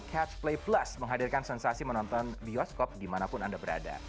catch play plus menghadirkan sensasi menonton bioskop dimanapun anda berada